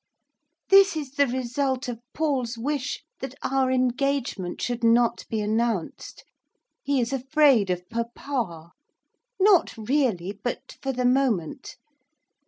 This is the result of Paul's wish that our engagement should not be announced. He is afraid of papa; not really, but for the moment.